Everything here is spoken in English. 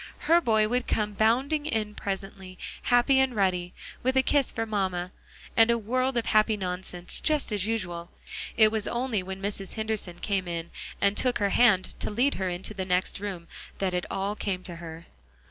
Her boy would come bounding in presently, happy and ruddy, with a kiss for mamma, and a world of happy nonsense, just as usual. It was only when Mrs. Henderson came in, and took her hand to lead her into the next room, that it all came to her.